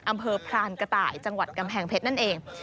พรานกระต่ายจังหวัดกำแพงเพชรนั่นเอง